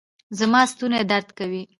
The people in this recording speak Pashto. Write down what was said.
زما ستونی درد کوي